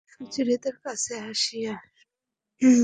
সুচরিতা কাছে আসিয়া স্নেহার্দ্রস্বরে কহিল, বিনয়বাবু, আসুন।